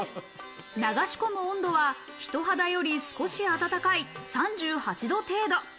流し込む温度は人肌より少し温かい３８度程度。